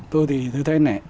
tôi thì thưa thầy này